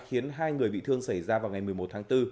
khiến hai người bị thương xảy ra vào ngày một mươi một tháng bốn